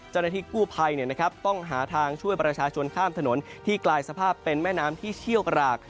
เจ้าหน้าที่กู้ภัยต้องหาทางช่วยประชาชนข้ามถนนที่กลายสภาพเป็นแม่น้ำที่เชี่ยวกราก